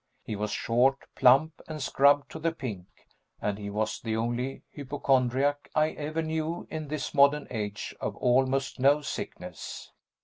He was short, plump and scrubbed to the pink, and he was the only hypochondriac I ever knew in this modern age of almost no sickness.